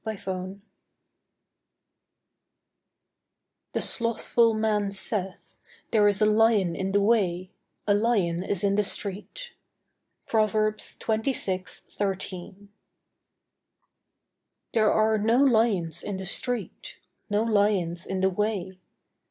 OBSTACLES 'The slothful man saith, There is a lion in the way; a lion is in the street.'—PROVERBS xxvi. 13. There are no lions in the street; No lions in the way.